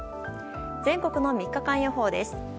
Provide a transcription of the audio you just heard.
全国の３日間予報です。